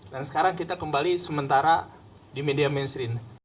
dan sekarang kita kembali sementara di media mainstream